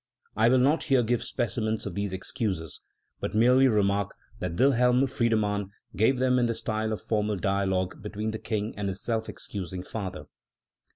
I will not here give specimens of these excuses, but merely remark that Wilhelm Friedemann gave them in the style of formal dialogue between the King and his self excusing father.